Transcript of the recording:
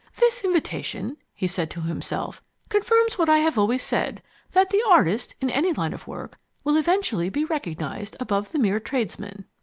"This invitation," he said to himself, "confirms what I have always said, that the artist, in any line of work, will eventually be recognized above the mere tradesman.